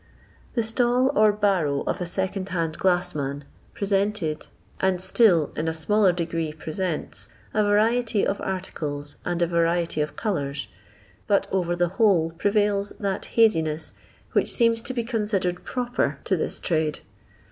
The stall or barrow of a " second hand glass man" presented, and still, in a smaller degree, 16 LONDON LABOUR AND THE LONDON POOR. pretenU, a variety of articlet, and a variety of coloariy but over the whole prevails that haziness which seems to be considered proper to this trade.